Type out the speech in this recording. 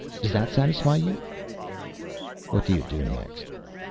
Does that satisfy you?" "What do you do next?"